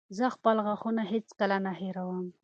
زه خپل غاښونه هېڅکله نه هېروم.